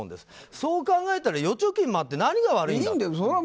そう考えたら預貯金もあって何が悪いのか。